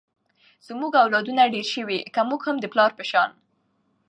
زمونږ اولادونه ډېر شوي ، که مونږ هم د پلار په شان